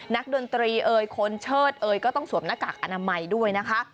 ดนตรีเอ่ยคนเชิดเอ่ยก็ต้องสวมหน้ากากอนามัยด้วยนะคะ